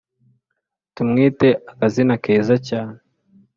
Tumwite akazina keza cyane